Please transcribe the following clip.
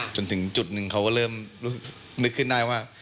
จนถึงจุดหนึ่งเขาก็เริ่มนึกขึ้นได้ว่า